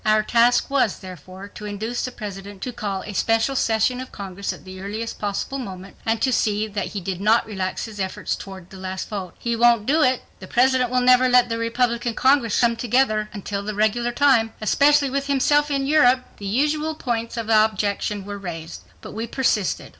Our task was, therefore, to induce the President to call a special session of Congress at the earliest possible moment, and to see that he did not relax his efforts toward the last vote. "He won't do it!" .. ."President Wilson will never let the Republican Congress come together until the regular time." ... "Especially with himself in Europe!" The usual points of objection were raised. But we persisted.